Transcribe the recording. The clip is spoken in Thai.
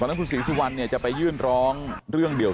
นั้นคุณศรีสุวรรณจะไปยื่นร้องเรื่องเดียว